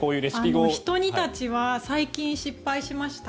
ひと煮立ちは最近失敗しました。